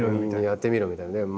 「やってみろ」みたいな。